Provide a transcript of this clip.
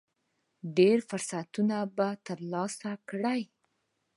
ډېر فرصتونه به ترلاسه کړئ .